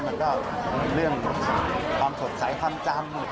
มันก็เรื่องความสดใสความจำ